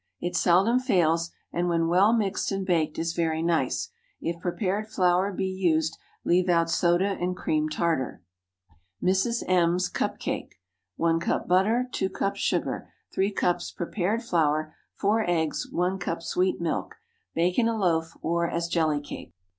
It seldom fails, and when well mixed and baked, is very nice. If prepared flour be used leave out soda and cream tartar. MRS. M.'S CUP CAKE. ✠ 1 cup butter. 2 cup sugar. 3 cups prepared flour. 4 eggs. 1 cup sweet milk. Bake in a loaf, or as jelly cake.